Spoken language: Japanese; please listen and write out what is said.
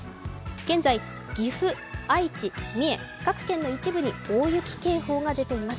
現在、岐阜、愛知、三重、各県の一部に大雪警報が出ています。